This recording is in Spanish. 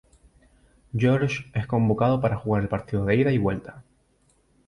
George es convocado para jugar el partido de ida y vuelta.